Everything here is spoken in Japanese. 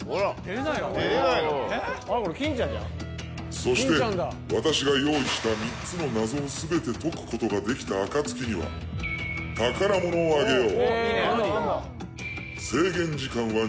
そして、私が用意した３つの謎を全て解くことができたあかつきには宝物をあげよう。